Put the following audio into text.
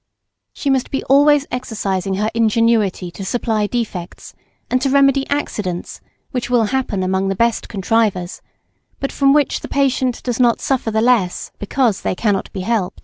She must be always exercising her ingenuity to supply defects, and to remedy accidents which will happen among the best contrivers, but from which the patient does not suffer the less, because "they cannot be helped."